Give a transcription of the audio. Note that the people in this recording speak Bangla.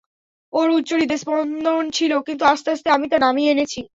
ওর উচ্চ হৃদস্পন্দন ছিলো, কিন্তু আসতে আসতে আমি তা নামিয়ে এনেছি।